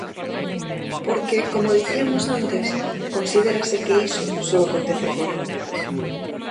Porque, como diciamos antes, considérase que iso só acontece fóra.